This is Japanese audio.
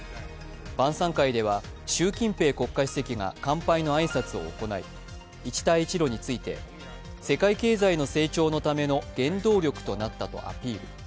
晩さん会では習近平国家主席が乾杯の挨拶を行い一帯一路について、世界経済の成長のための原動力になったとアピール。